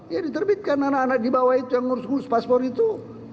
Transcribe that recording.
ya diterbitkan anak anak di bawah itu yang ngurus ngurus paspor itu